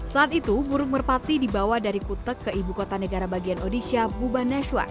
saat itu burung merpati dibawa dari putek ke ibu kota negara bagian odisha buba nashua